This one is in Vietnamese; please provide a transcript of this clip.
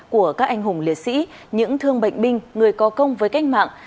của các anh hùng liệt sĩ những thương bệnh binh người có công với cách mạng